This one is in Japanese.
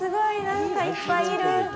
なんか、いっぱいいる。